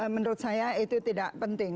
menurut saya itu tidak penting